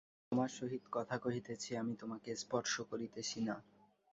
আমি তোমার সহিত কথা কহিতেছি, আমি তোমাকে স্পর্শ করিতেছি না।